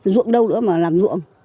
ruộng đâu nữa mà làm ruộng